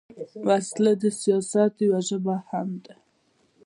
وسله د سیاست یوه ژبه هم ده